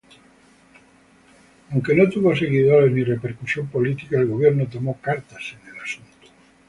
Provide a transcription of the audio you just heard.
Aunque no tuvo seguidores, ni repercusión política, el gobierno tomó cartas en el asunto.